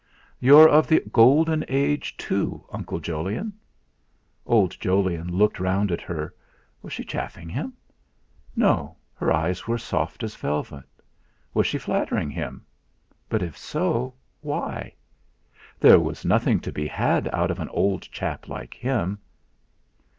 "You're of the Golden Age, too, Uncle Jolyon." Old Jolyon looked round at her. Was she chaffing him? No, her eyes were soft as velvet. Was she flattering him? But if so, why? There was nothing to be had out of an old chap like him.